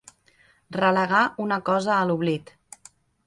Relegar una cosa a l'oblit.